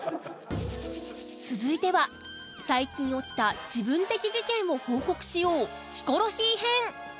続いては最近起きた自分的事件を報告しようヒコロヒー編